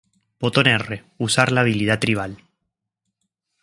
Botón R: Usar la habilidad tribal.